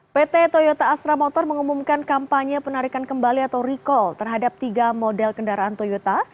pt toyota astra motor mengumumkan kampanye penarikan kembali atau recall terhadap tiga model kendaraan toyota